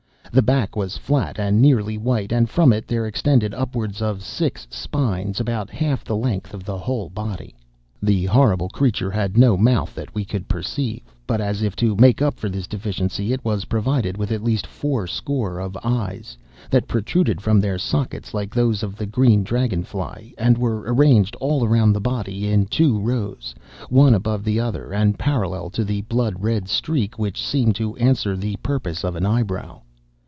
The back was flat and nearly white, and from it there extended upwards of six spines, about half the length of the whole body. "'This horrible creature had no mouth that we could perceive; but, as if to make up for this deficiency, it was provided with at least four score of eyes, that protruded from their sockets like those of the green dragon fly, and were arranged all around the body in two rows, one above the other, and parallel to the blood red streak, which seemed to answer the purpose of an eyebrow.